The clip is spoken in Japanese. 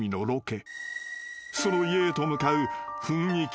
［その家へと向かう雰囲気